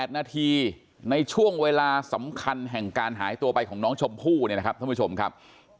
๘นาทีในช่วงเวลาสำคัญแห่งการหายตัวไปของน้องชมพู่เนี่ยนะครับท่านผู้ชมครับ